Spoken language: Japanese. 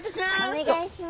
お願いします。